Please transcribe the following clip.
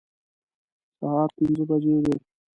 سهار پنځه بجې وې.